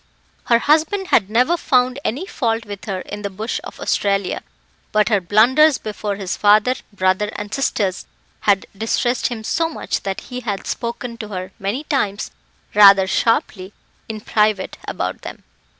Her husband had never found any fault with her in the bush of Australia; but her blunders before his father, brother, and sisters had distressed him so much that he had spoken to her many times rather sharply in private about them.